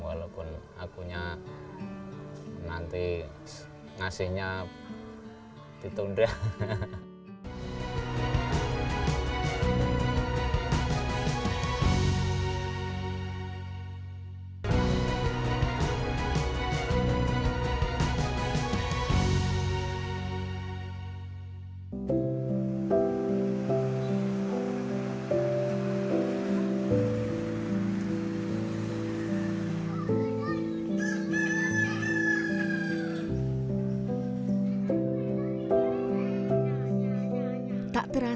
walaupun akunya nanti ngasihnya ditunda